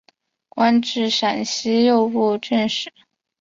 官至陕西右布政使。